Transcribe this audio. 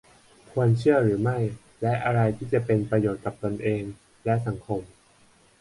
ควรเชื่อหรือไม่ และอะไรที่จะเป็นประโยชน์กับตนเอง และ สังคม